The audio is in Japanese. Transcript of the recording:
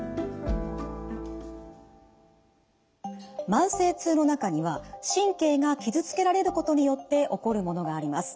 慢性痛の中には神経が傷つけられることによって起こるものがあります。